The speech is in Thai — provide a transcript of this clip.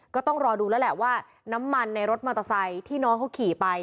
ก็ต้องรอดูแล้วแหละว่าน้ำมันในรถมอเตอร์ไซค์ที่น้องเขาขี่ไป